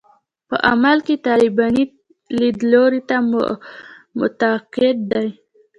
په عمل کې طالباني لیدلوري ته معتقد دي.